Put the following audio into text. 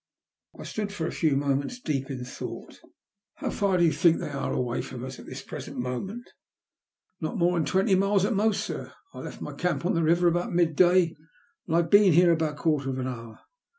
I stood for a few moments deep in thought. ^^p 254 THE LUST OF HATE. " How far do you tliink they are away from as at the present moment ?"" Not more than twenty miles at most, sir. I left my camp on the river about mid day, and I've boon here about a quarter of an hour.